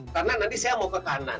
karena nanti saya mau ke kanan